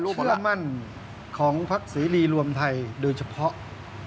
เป็นความเชื่อมั่นของภาคสีรีรวมไทยโดยเฉพาะ